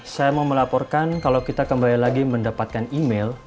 saya mau melaporkan kalau kita kembali lagi mendapatkan email